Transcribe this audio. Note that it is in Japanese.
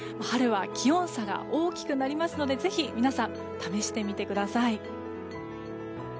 春は気温差が大きくなりますのでぜひ皆さん試してみてください。